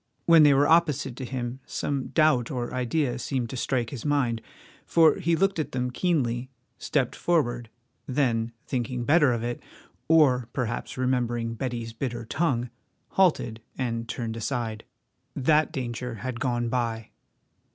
When they were opposite to him some doubt or idea seemed to strike his mind, for he looked at them keenly, stepped forward, then, thinking better of it, or perhaps remembering Betty's bitter tongue, halted and turned aside. That danger had gone by!